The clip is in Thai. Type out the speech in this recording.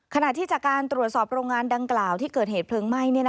ขณะที่จากการตรวจสอบโรงงานดังกล่าวที่เกิดเหตุเพลิงไหม้